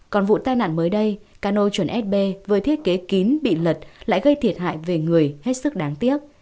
còn vụ tai nạn mới đây cano chuẩn sb với thiết kế kín bị lật lại gây thiệt hại về người hết sức đáng tiếc